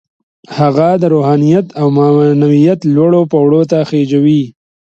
هغه د روحانيت او معنويت لوړو پوړيو ته خېژوي.